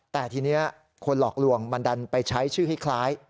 แต่ทีนี้คนหลอกลวงมันดันไปใช้ชื่อคล้าย